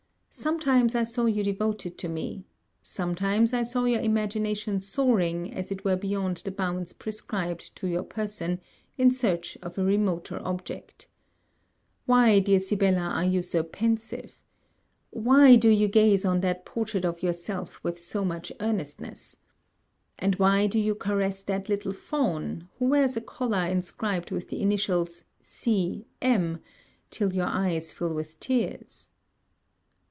Sometimes, I saw you devoted to me; sometimes, I saw your imagination soaring as it were beyond the bounds prescribed to your person, in search of a remoter object. Why, dear Sibella, are you so pensive? Why do you gaze on that portrait of yourself with so much earnestness? And why do you caress that little fawn, who wears a collar inscribed with the initials C. M. till your eyes fill with tears?